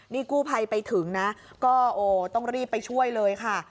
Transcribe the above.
นี่กู้ภัยไปถึงนะก็โอ้ต้องรีบไปช่วยเลยค่ะ